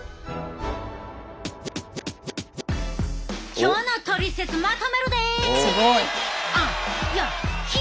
今日のトリセツまとめるで！